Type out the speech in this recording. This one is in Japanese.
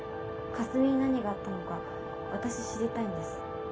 かすみに何があったのか私知りたいんです。